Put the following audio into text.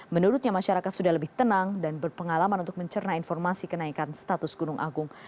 menurutnya masyarakat sudah lebih tenang dan berpengalaman untuk mencerna informasi kenaikan status gunung agung